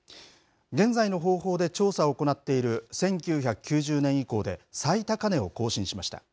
現在の方法で調査を行っている１９９０年以降で最高値を更新しました。